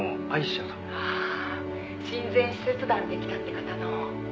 「ああ親善使節団で来たって方の」